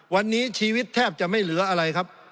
วันนี้ชีวิตแทบจะไม่เหลืออะไรครับ